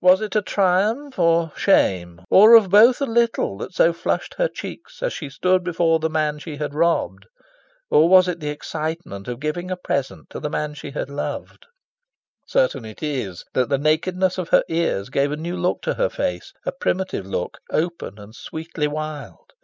Was it triumph, or shame, or of both a little that so flushed her cheeks as she stood before the man she had robbed? Or was it the excitement of giving a present to the man she had loved? Certain it is that the nakedness of her ears gave a new look to her face a primitive look, open and sweetly wild.